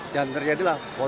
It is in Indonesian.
dan terjadilah potensi